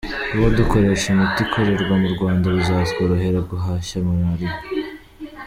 Kuba dukoresha imiti ikorerwa mu Rwanda bizatworohera guhashya malariya”.